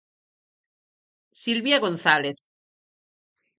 Silvia González.